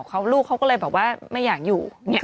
เขาลูกเขาก็เลยแบบว่าไม่อยากอยู่